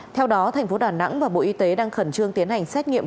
theo đó thành phố đà nẵng và bộ y tế đang khẩn trương tiến hành xét nghiệm